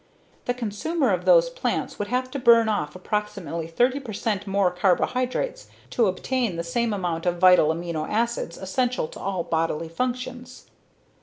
The consumer of those plants would have to burn off approximately 30 percent more carbohydrates to obtain the same amount of vital amino acids essential to all bodily functions.